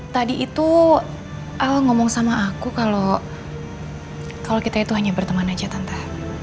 tadi itu al ngomong sama aku kalau kita itu hanya berteman aja tante